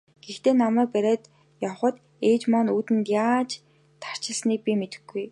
Гэхдээ намайг бариад явахад ээж маань үүдэндээ яаж тарчилсныг би мартахгүй.